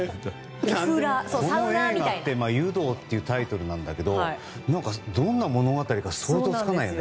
この映画って「湯道」というタイトルなんですけどどんな物語か想像つかないよね。